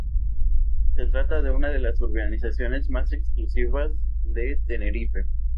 Se trata de una de las urbanizaciones más exclusivas de Tenerife.